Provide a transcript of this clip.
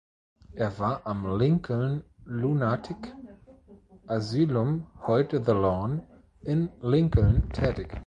Er war am "Lincoln Lunatic Asylum" (heute "The Lawn") in Lincoln tätig.